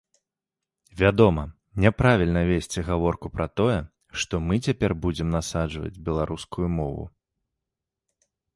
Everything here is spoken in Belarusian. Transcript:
Вядома, няправільна весці гаворку пра тое, што мы цяпер будзем насаджваць беларускую мову.